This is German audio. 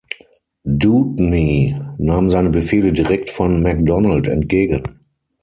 Dewdney nahm seine Befehle direkt von Macdonald entgegen.